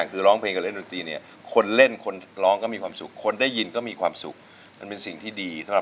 กลัวว่าจะร้องผิดอะค่ะกลัวว่าจะไม่ตรงเนื้อ